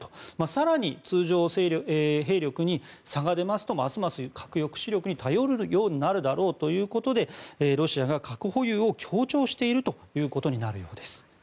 更に、通常兵力に差が出ますとますます核抑止力に頼るようになるだろうということでロシアが核保有を強調しているということになるようです。